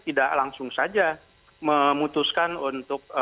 tidak langsung saja memutuskan untuk